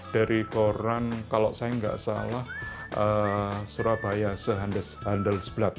dari koran kalau saya nggak salah surabaya se handelsblad